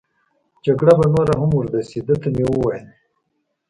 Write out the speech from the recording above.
جګړه به نوره هم اوږد شي، ده ته مې وویل.